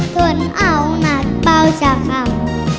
ทุนเอาหนักเป้าชาวขัม